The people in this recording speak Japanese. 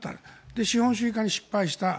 で、資本主義化に失敗した。